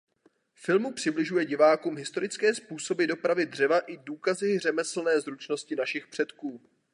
Filmu přibližuje divákům historické způsoby dopravy dřeva i důkazy řemeslné zručnosti našich předků.